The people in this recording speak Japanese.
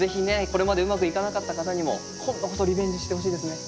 これまでうまくいかなかった方にも今度こそリベンジしてほしいですね。